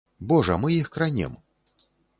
Божа, мы іх кранем.